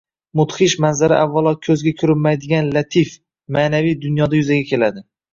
Mudhish manzara avvalo ko‘zga ko‘rinmaydigan latif – ma’naviy dunyoda yuzaga keladi